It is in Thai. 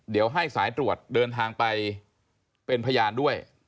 เดี๋ยวให้สายตรวจเดินทางไปเป็นพยานด้วย